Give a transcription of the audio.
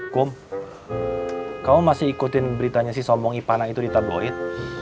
kum kamu masih ikutin beritanya si sombong ipana itu di tabloid